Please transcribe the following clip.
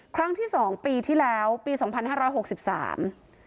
ครั้งที่สองปีที่แล้วปีสองพันห้าร้อยหกสิบสาม